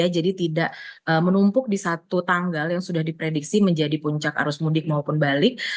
jadi tidak menumpuk di satu tanggal yang sudah diprediksi menjadi puncak arus mudik maupun balik